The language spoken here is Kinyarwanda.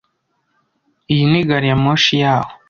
Iyi ni gari ya moshi yaho?